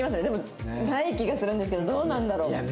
でもない気がするんですけどどうなんだろう？